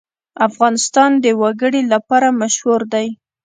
افغانستان د وګړي لپاره مشهور دی.